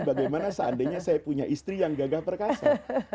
bagaimana seandainya saya punya istri yang gagah perkasa